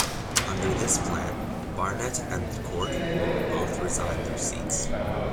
Under this plan, Barnett and Court would both resign their seats.